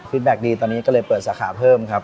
แก๊คดีตอนนี้ก็เลยเปิดสาขาเพิ่มครับ